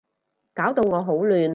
搞到我好亂